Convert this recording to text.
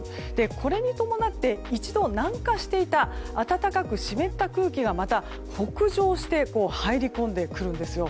これに伴って一度、南下していた暖かく湿った空気がまた北上して入り込んでくるんです。